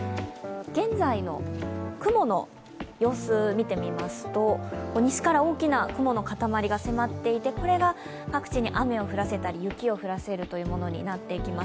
現在の雲の様子、見てみますと、西から大きな雲の塊が迫っていてこれが各地に雨を降らせたり雪を降らせるものになっていきます。